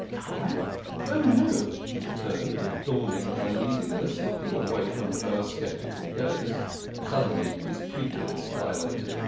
" I ? Oh, no," he returned, with dawning uneasiness, looking away from her sceptical gaze. Suddenly his pupils dilated.